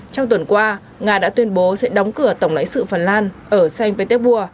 trong tuần qua nga đã tuyên bố sẽ đóng cửa tổng lãnh sự phần lan ở san pétepua